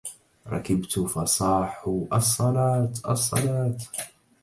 ركبت فصاحوا الصلاة الصلاة